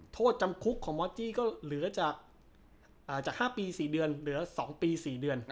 โทษจำคุกของมอสจี้ก็เหลือจากอ่าจากห้าปีสี่เดือนเหลือสองปีสี่เดือน